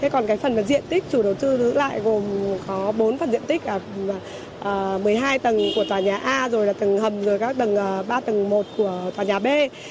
còn phần diện tích chủ đầu tư lại gồm có bốn phần diện tích một mươi hai tầng của tòa nhà a tầng hầm ba tầng một của tòa nhà b